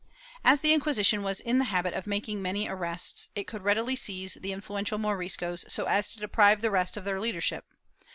As the Inquisition was in the habit of making many arrests, it could readily seize the influential Moriscos, so as to deprive the rest of their leader ship.